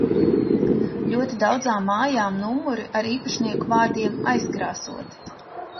Ļoti daudzām mājām numuri ar īpašnieku vārdiem aizkrāsoti.